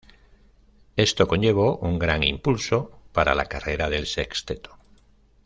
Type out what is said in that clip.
Esto conllevó un gran impulso para la carrera del Sexteto.